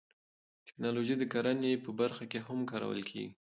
تکنالوژي د کرنې په برخه کې هم کارول کیږي.